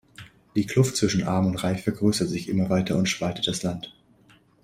Die Kluft zwischen arm und reich vergrößert sich immer weiter und spaltet das Land.